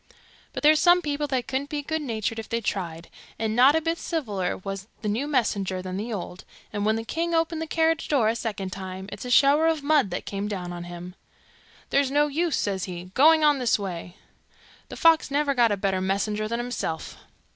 But there's some people that couldn't be good natured if they tried, and not a bit civiller was the new messenger than the old, and when the king opened the carriage door a second time, it's shower of mud that came down on him. 'There's no use,' says he, 'going on this way. The fox never got a better messenger than himself.